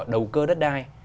đầu cơ đất đai